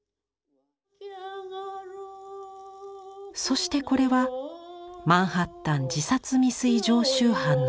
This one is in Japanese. そしてこれは「マンハッタン自殺未遂常習犯の歌」。